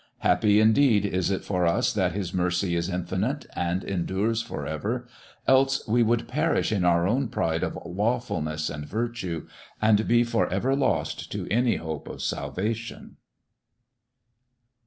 Happy, indeed, is it for us that His mercy is infinite and endures forever, else we would perish in our own pride of lawfulness and virtue, and be forever lost to any hope of salvation.